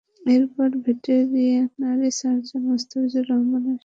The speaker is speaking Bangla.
এরপর ভেটেরিনারি সার্জন মোস্তাফিজুর রহমান হাতির শরীরে চেতনা ফেরানোর ওষুধ প্রয়োগ করেন।